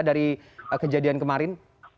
dari kejadian kemarin